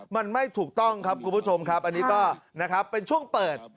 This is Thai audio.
มันไม่ถูกต้องครับคุณผู้ชมครับอันนี้ก็นะครับเป็นช่วงเปิด